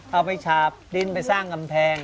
เอาไปฉาบดินไปสร้างกำแพง